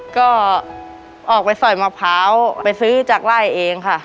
ก็ออกไปสอยมะพร้าวไปซื้อจากไล่เองค่ะ